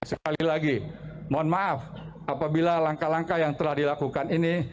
sekali lagi mohon maaf apabila langkah langkah yang telah dilakukan ini